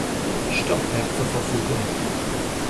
Stockwerk zur Verfügung.